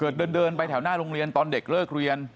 เดินไปแถวหน้าโรงเรียนตอนเด็กเลิกเรียน